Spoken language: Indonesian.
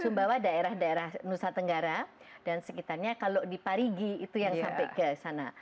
sumbawa daerah daerah nusa tenggara dan sekitarnya kalau di parigi itu yang sampai ke sana